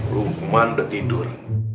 lukman udah tidur